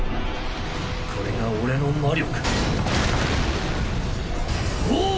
これが俺の魔力「障壁」！